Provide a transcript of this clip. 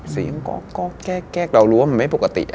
เสียงก็แกล้กเรารู้ว่าไม่ปกติ